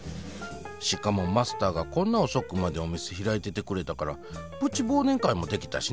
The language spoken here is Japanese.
しかもマスターがこんな遅くまでお店開いててくれたからプチ忘年会もできたしな。